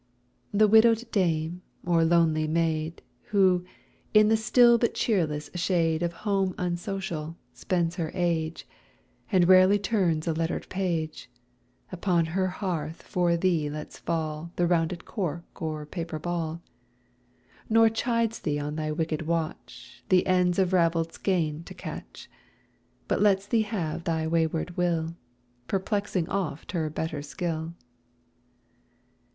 The widowed dame or lonely maid, Who, in the still but cheerless shade Of home unsocial, spends her age, And rarely turns a lettered page, Upon her hearth for thee lets fall The rounded cork or paper ball, Nor chides thee on thy wicked watch, The ends of raveled skein to catch, But lets thee have thy wayward will, Perplexing oft her better skill.